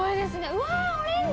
うわー、オレンジ。